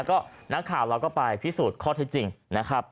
ก็นักข่าวเราก็ไปพิสูจน์ข้อเท็จจริงนะครับ